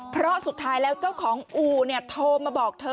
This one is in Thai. เพราะสุดท้ายแล้วเจ้าของอู่โทรมาบอกเธอ